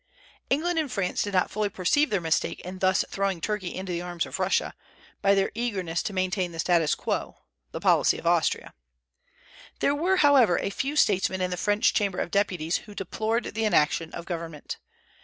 England and France did not fully perceive their mistake in thus throwing Turkey into the arms of Russia, by their eagerness to maintain the status quo, the policy of Austria. There were, however, a few statesmen in the French Chamber of Deputies who deplored the inaction of government.